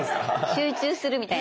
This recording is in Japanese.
集中するみたいな？